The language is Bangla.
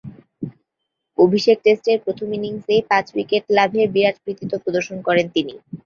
অভিষেক টেস্টের প্রথম ইনিংসেই পাঁচ উইকেট লাভের বিরাট কৃতিত্ব প্রদর্শন করেন তিনি।